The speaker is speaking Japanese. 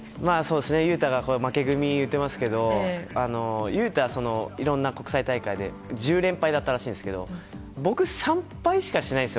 雄太が負け組って言っていますけれど雄太は、いろんな国際大会で１０連敗だったらしいんですけど僕３敗しかしてないんです。